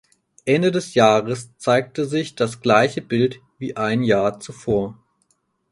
Ende des Jahres zeigte sich das gleiche Bild wie ein Jahr zuvor.